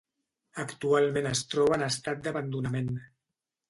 Actualment es troba en estat d'abandonament.